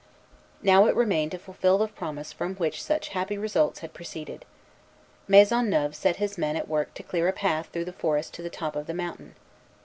Now it remained to fulfil the promise from which such happy results had proceeded. Maisonneuve set his men at work to clear a path through the forest to the top of the mountain.